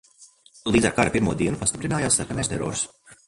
Līdz ar kara pirmo dienu pastiprinājās sarkanais terors.